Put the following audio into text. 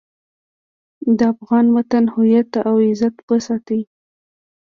چې د افغان وطن هويت او عزت وساتي.